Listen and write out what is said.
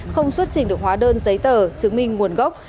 không xuất trình được hóa đơn giấy tờ chứng minh nguồn gốc